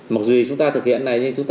mặc dù chúng ta thực hiện này như chúng ta